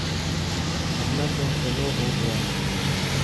حملہ تو چلو ہو گیا۔